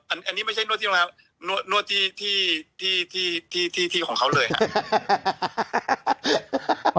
อันนี้ไม่ใช่นวดที่โรงแรมนวดที่ของเขาเลยครับ